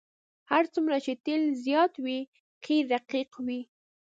هر څومره چې تیل زیات وي قیر رقیق وي